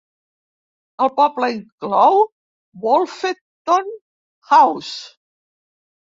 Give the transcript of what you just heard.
El poble inclou Wolfeton House.